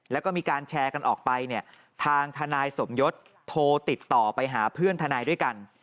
แล้วก็มีการแชร์กันออกไปเนี่ยทางทนายสมยศโทรติดต่อไปหาเพื่อนทนายด้วยกัน